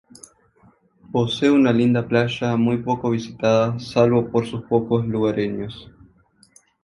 Posee una linda playa muy poco visitada, salvo por sus pocos lugareños.